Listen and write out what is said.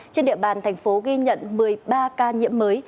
trên địa bàn thành phố ghi nhận một mươi ba ca nhiễm mới